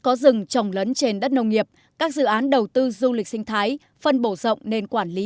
có rừng trồng lấn trên đất nông nghiệp các dự án đầu tư du lịch sinh thái phân bổ rộng nên quản lý